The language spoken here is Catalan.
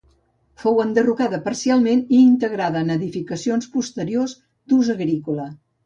Fou enderrocada parcialment i integrada en edificacions posteriors d'ús agrícola.